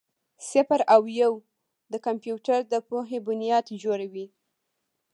صفر او یو د کمپیوټر د پوهې بنیاد جوړوي.